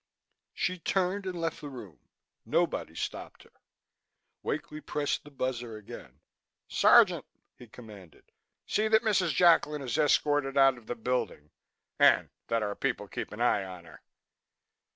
She turned and left the room. Nobody stopped her. Wakely pressed the buzzer again. "Sergeant!" he commanded, "see that Mrs. Jacklin is escorted out of the building and that our people keep an eye on her."